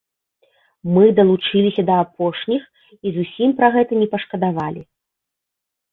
Мы далучыліся да апошніх і зусім пра гэта не пашкадавалі.